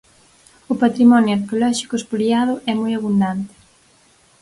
O patrimonio arqueolóxico espoliado é moi abundante.